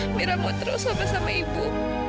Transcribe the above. amira mau terus sama sama ibu